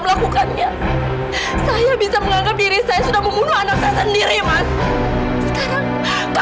anak kandungnya yang udah susah payah aku pisahkan selama ini